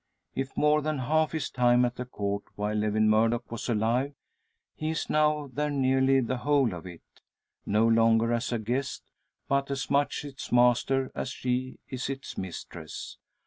If more than half his time at the Court while Lewin Murdock was alive, he is now there nearly the whole of it. No longer as a guest, but as much its master as she is its mistress!